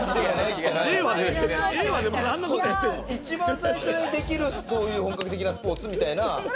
一番最初にできる本格的なスポーツみたいな。